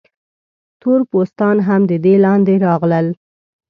تور پوستان هم د دې لاندې راغلل.